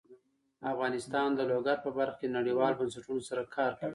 افغانستان د لوگر په برخه کې نړیوالو بنسټونو سره کار کوي.